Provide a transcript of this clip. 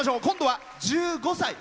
今度は１５歳。